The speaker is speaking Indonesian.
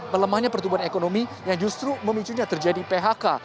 melemahnya pertumbuhan ekonomi yang justru memicunya terjadi phk